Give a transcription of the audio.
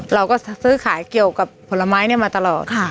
เราก็ซื้อขายเกี่ยวกับผลไม้มาตลอด